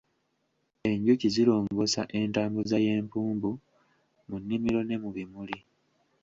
Enjuki zirongoosa entambuza y'empumbu mu nnimiro ne mu bimuli.